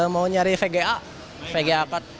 mau nyari vga vga kat